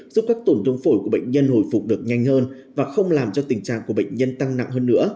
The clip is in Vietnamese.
giúp các tổn thương phổi của bệnh nhân hồi phục được nhanh hơn và không làm cho tình trạng của bệnh nhân tăng nặng hơn nữa